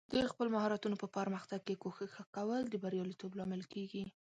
د خپل مهارتونو په پرمختګ کې کوښښ کول د بریالیتوب لامل کیږي.